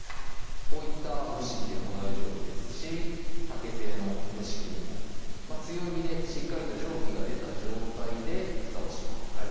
こういった蒸し器でも大丈夫ですし竹製の蒸し器でも強火でしっかりと蒸気が出た状態でふたをします